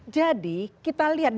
jadi kita lihat